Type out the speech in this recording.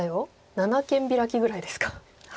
七間ビラキぐらいですか。